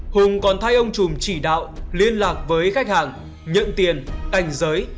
hùng còn thay ông chùm chỉ đạo liên lạc với khách hàng nhận tiền ảnh giới